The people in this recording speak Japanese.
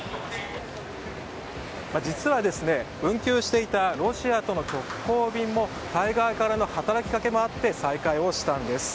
実は、運休していたロシアとの直行便もタイ側からの働きかけもあって再開をしたんです。